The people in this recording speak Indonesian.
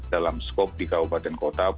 dalam skop di kabupaten kota